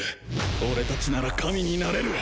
俺達なら神になれる！